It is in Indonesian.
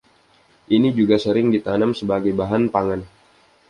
Ini juga sering ditanam sebagai bahan pangan.